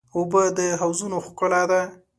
اوبه د حوضونو ښکلا ده.